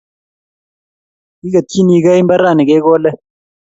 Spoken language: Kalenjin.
Kiketchinigei mbarani kekole